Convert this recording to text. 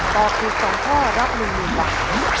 ตอบถูก๒ข้อรับ๑๐๐๐บาท